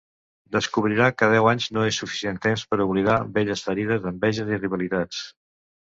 Descobrirà que deu anys no és suficient temps per oblidar velles ferides, enveges i rivalitats.